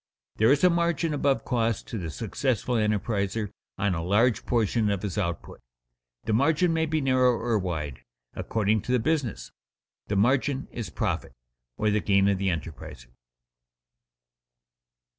There is a margin above costs to the successful enterpriser on a large portion of his output. The margin may be narrow or wide, according to the business. The margin is "profit," or the gain of the enterpriser.